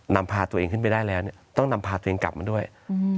นำพาตัวเองขึ้นไปได้แล้วเนี่ยต้องนำพาตัวเองกลับมาด้วย